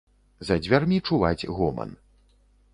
За дзвярмі чуваць гоман.